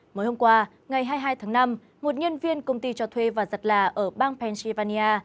mới hôm qua ngày hai mươi hai tháng năm một nhân viên công ty cho thuê và giật là ở bang pennsylvania